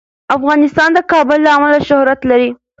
افغانستان د کابل له امله شهرت لري.